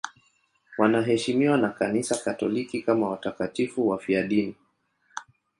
Wanaheshimiwa na Kanisa Katoliki kama watakatifu wafiadini.